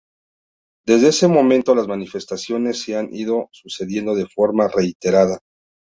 Desde ese momento las manifestaciones se han ido sucediendo de forma reiterada.